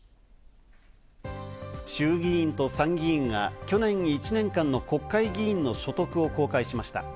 衆議院と参議院が去年１年間の国会議員の所得を公開しました。